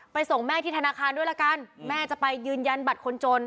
ส่งแม่ที่ธนาคารด้วยละกันแม่จะไปยืนยันบัตรคนจน